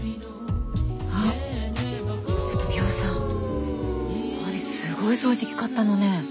あっちょっとミホさん何すごい掃除機買ったのねぇ。